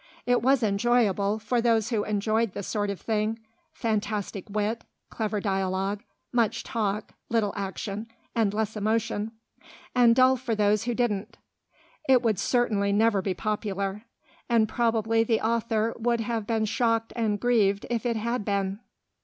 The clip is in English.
It was enjoyable, for those who enjoyed the sort of thing (fantastic wit, clever dialogue, much talk, little action, and less emotion) and dull for those who didn't. It would certainly never be popular, and probably the author would have been shocked and grieved if it had been.